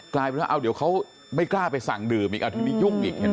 กลายเป็นว่าเอาเดี๋ยวเขาไม่กล้าไปสั่งดื่มอีกทีนี้ยุ่งอีกเห็นไหม